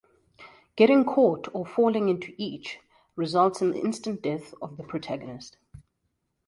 Getting caught or falling into each results in the instant death of the protagonist.